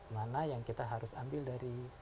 mana yang kita harus ambil dari